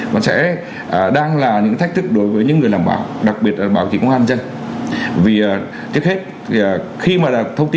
vâng ạ hôm nay là một ngày đặc biệt ngày hai mươi một tháng sáu